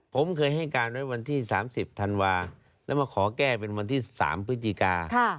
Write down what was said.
ผมเคยให้การไว้วันที่สามสิบธันวาแล้วมาขอแก้เป็นวันที่สามพฤติกาค่ะ